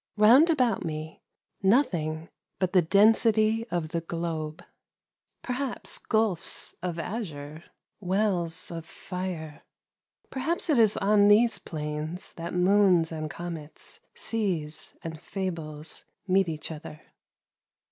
Round about me, nothing but the density of the globe. Perhaps gulfs of azure, wells of fire ? Perhaps it is on these planes that moons and comets, seas and fables, meet each other.